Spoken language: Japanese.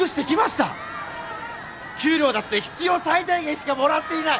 給料だって必要最低限しかもらっていない。